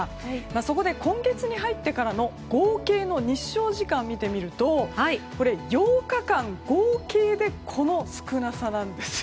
そこで今月に入ってからの合計の日照時間を見てみるとこれ８日間合計でこの少なさなんです。